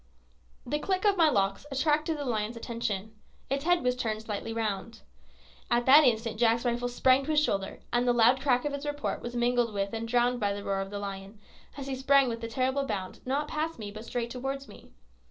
The click of my locks attracted the lion's attention; its head turned slightly round. At that instant Jack's rifle sprang to his shoulder, and the loud crack of its report was mingled with and drowned by the roar of the lion, as he sprang with a terrible bound, not past me, but straight towards me.